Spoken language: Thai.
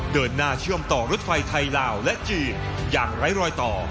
เดินหน้าเชื่อมต่อรถไฟไทยลาวและจีนอย่างไร้รอยต่อ